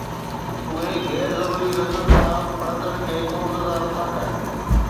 اهي غير ضروري لفظن سان پڙهندڙ کي خوفزده نٿا ڪن